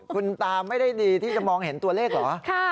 คุณตาไม่ได้ดีที่จะมองเห็นตัวเลขเหรอ